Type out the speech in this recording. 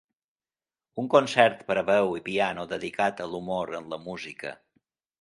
Un concert per a veu i piano dedicat a l'humor en la música.